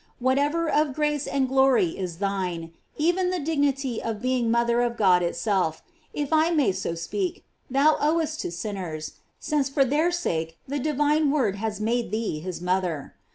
* Whatever of grace and glory is thine, even the dignity of being mother of God itself, if I may so speak, thou owest to sinners, since for their sake the divine Word has made thee his mother.